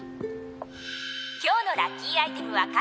「今日のラッキーアイテムは傘！」